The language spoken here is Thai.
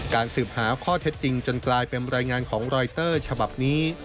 สืบหาข้อเท็จจริงจนกลายเป็นรายงานของรอยเตอร์ฉบับนี้